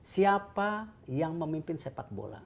siapa yang memimpin sepak bola